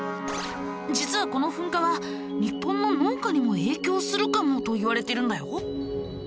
実はこの噴火は日本の農家にも影響するかもといわれているんだよ。